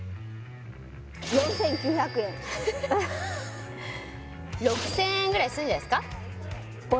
４９００円６０００円ぐらいするんじゃないですか？